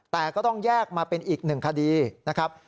แต่ก็ต้องแยกมาเป็นอีกหนึ่งคดีนะครับ